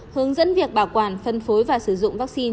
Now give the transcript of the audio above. hướng dẫn việc bảo quản phân phối và sử dụng vaccine